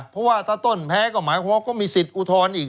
เพราะว่าถ้าต้นแพ้ก็หมายความว่าก็มีสิทธิ์อุทธรณ์อีก